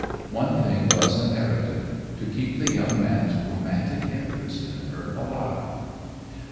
One thing was imperative: to keep the young man's romantic interest in her alive.